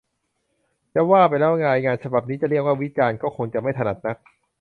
จะว่าไปแล้ว รายงานฉบับนี้จะเรียกว่า วิจารณ์ ก็คงจะไม่ถนัดนัก